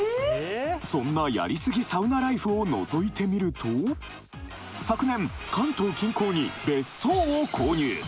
そんなやりすぎサウナライフを覗いてみると昨年関東近郊に別荘を購入